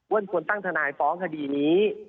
ควรตั้งทนายฟ้องคดีนี้